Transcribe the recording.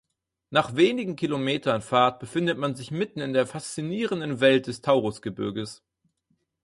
Nach wenigen Kilometern Fahrt befindet man sich mitten in der faszinierenden Welt des Taurusgebirges.